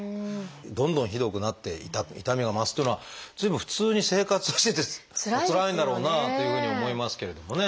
どんどんひどくなっていた痛みが増すというのは随分普通に生活をしてておつらいんだろうなというふうに思いますけれどもね。